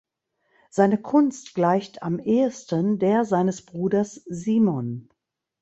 Seine Kunst gleicht am ehesten der seines Bruders Simon.